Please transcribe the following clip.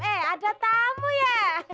eh ada tamu ya